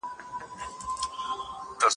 ستا هر ارمان به په خپل وخت په خیر سره پوره شي.